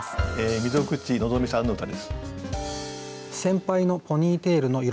溝口のぞみさんの歌です。